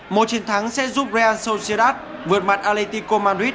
một chiến thắng sẽ giúp real sociedad vượt mặt atletico madrid